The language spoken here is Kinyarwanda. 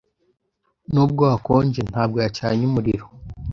Nubwo hakonje, ntabwo yacanye umuriro.